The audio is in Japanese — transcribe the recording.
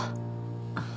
あっ。